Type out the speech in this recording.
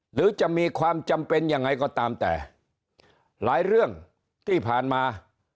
หรือจะมีความจำเป็นยังไงก็ตามแต่หลายเรื่องที่ผ่านมา